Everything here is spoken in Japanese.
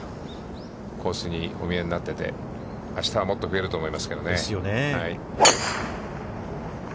コースにお見えになってて、あしたはもっと増えると思いますけどね。